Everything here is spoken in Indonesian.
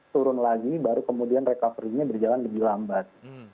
turun lagi baru kemudian recovery nya berjalan lebih lambat